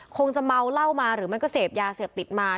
คงจะเมาเหล้ามาหรือมันก็เสพยาเสพติดมา